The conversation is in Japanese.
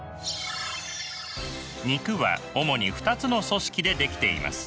肉は主に２つの組織で出来ています。